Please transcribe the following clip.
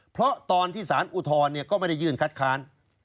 เพราะตอนที่สารอุทธรณ์ก็ไม่ได้ยื่นคัดค้าน